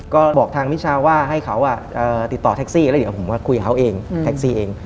ก็บอกทางมิชาว่าให้เขาติดต่อแท็กซี่แล้วเดี๋ยวผมมาคุยกับเขาเองแท็กซี่เอง